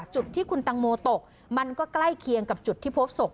จุดที่คุณตังโมตกมันก็ใกล้เคียงกับจุดที่พบศพ